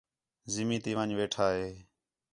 زمین تی ون٘ڄ ویٹھا ہِے